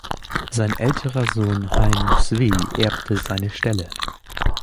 Sein älterer Sohn, Haim Zwi, erbte seine Stelle.